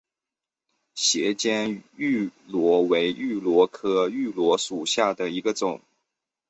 斜肩芋螺为芋螺科芋螺属下的一个种。